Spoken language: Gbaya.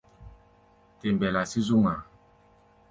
Te mbelá sí zú ŋmaa.